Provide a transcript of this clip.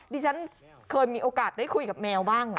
ดิฉันเคยมีโอกาสได้คุยกับแมวบ้าง